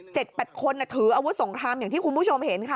แปดคนน่ะถืออาวุธสงครามอย่างที่คุณผู้ชมเห็นค่ะ